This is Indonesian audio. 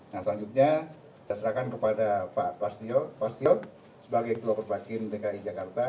nah selanjutnya saya serahkan kepada pak prastio sebagai ketua perbakin dki jakarta